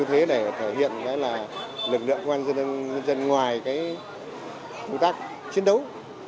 thể hiện lực lượng công an nhân dân ngoài công tác chiến đấu